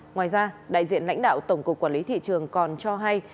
ngoài ra đại diện lãnh đạo tổng cục quản lý thị trường còn cho hay